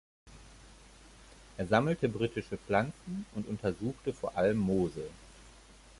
Er sammelte britische Pflanzen und untersuchte vor allem Moose.